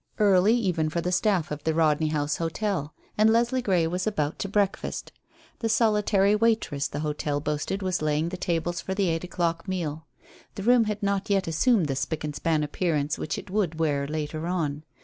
Early even for the staff of the Rodney House Hotel. And Leslie Grey was about to breakfast. The solitary waitress the hotel boasted was laying the tables for the eight o'clock meal. The room had not yet assumed the spick and span appearance which it would wear later on.